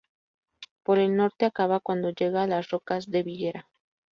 Por el norte acaba cuando llega a las rocas de Viguera.